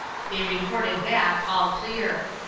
They reported back all clear.